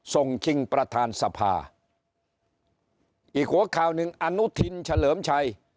ชิงประธานสภาอีกหัวข่าวหนึ่งอนุทินเฉลิมชัย